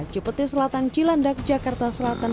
cipete selatan cilandak jakarta selatan